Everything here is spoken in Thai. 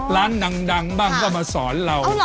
ร้านดังบ้างก็มาสอนเรา